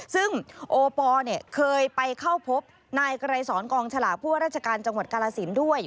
ซึ่งโอปอลเคยไปเข้าพบนายไกรสอนกองฉลากผู้ว่าราชการจังหวัดกาลสินด้วย